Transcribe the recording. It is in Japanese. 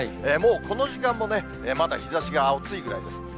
もうこの時間もね、まだ日ざしが暑いぐらいです。